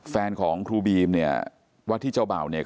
แฟนของครูบีมเนี่ยว่าที่เจ้าเบ่าเนี่ย